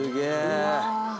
うわ。